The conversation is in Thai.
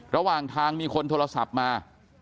ระหว่างทางมีคนโทรศัพท์มา